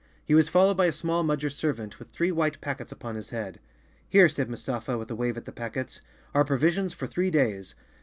He was followed by a small Mudger servant, with three white packets upon his head. "Here," said Mustafa, with a wave at the packets, "are provisions for three days.